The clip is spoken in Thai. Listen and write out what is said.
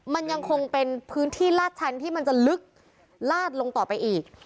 มันยังคงเป็นพื้นที่ลาดชั้นที่มันจะลึกลาดลงต่อไปอีก